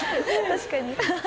確かに。